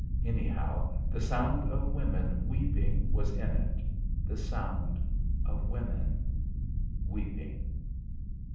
Anyhow, the sound of women weeping was in it. The sound of women weeping.